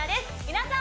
皆さん